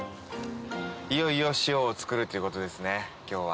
いよいよ塩を作るっていうことですね今日は。